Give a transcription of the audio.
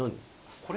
これ？